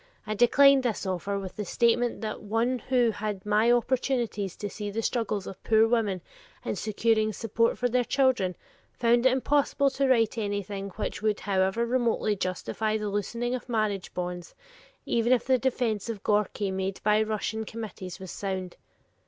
I declined this offer with the statement that one who had my opportunities to see the struggles of poor women in securing support for their children, found it impossible to write anything which would however remotely justify the loosening of marriage bonds, even if the defense of Gorki made by the Russian committees was sound.